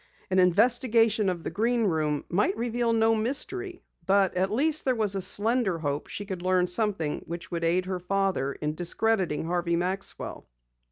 An investigation of the Green Room might reveal no mystery. But at least there was a slender hope she could learn something which would aid her father in discrediting Harvey Maxwell.